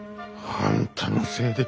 あんたのせいで。